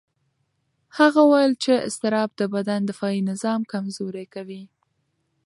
هغه وویل چې اضطراب د بدن دفاعي نظام کمزوري کوي.